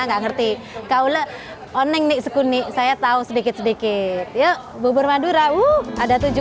nggak ngerti kaulah oneng nih sekuni saya tahu sedikit sedikit yuk bubur madura uh ada tujuh